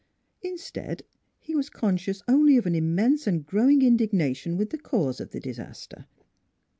Instead, he was conscious only of an immense and growing indignation with the cause of the disaster.